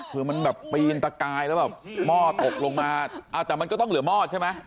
คือมันแบบปีนตะกายแล้วแบบหม้อตกลงมาเอาแต่มันก็ต้องเหลือหม้อใช่ไหม